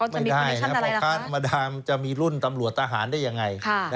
ไม่ได้นะพ่อค้าธรรมดามันจะมีรุ่นตำรวจทหารได้ยังไง